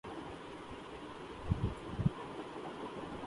سڑکوں کی بہتریایشیائی ترقیاتی بینک قرض دینے پر راضی